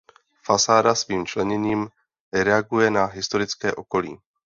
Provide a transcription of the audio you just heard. Fasáda svým členěním reaguje na historické okolí.